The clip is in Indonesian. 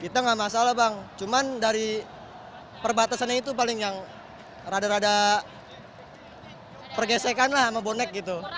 terada pergesekan lah sama bonek gitu